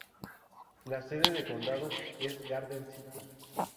La sede de condado es Garden City.